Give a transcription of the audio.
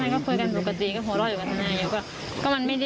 ไม่ก็คุยกันปกติก็หัวเราะอยู่กับท่านไหนอยู่